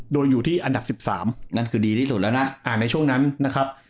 โดยอยู่ที่อันดับ๑๓นั่นคือดีที่สุดแล้วนะในช่วงนั้นนะครับ